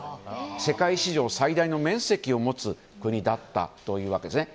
世界史上最大の面積を持つ国だったわけですね。